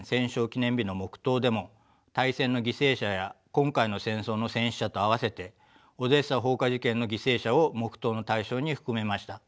記念日の黙とうでも大戦の犠牲者や今回の戦争の戦死者と合わせてオデーサ放火事件の犠牲者を黙とうの対象に含めました。